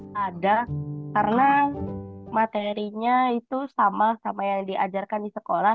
tidak ada karena materinya itu sama sama yang diajarkan di sekolah